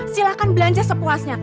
silakan belanja sepuasnya